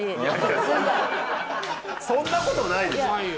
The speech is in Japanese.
そんなことないでしょ！